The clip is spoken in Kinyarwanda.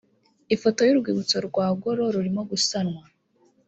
ifoto y urwibutso rwa ggolo rurimo gusanwa